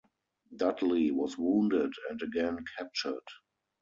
Dudley was wounded and again captured.